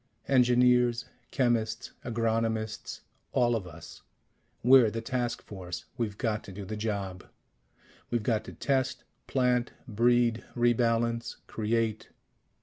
Engineers, chemists, agronomists, all of us we're the task force. We've got to do the job. We've got to test, plant, breed, re balance, create.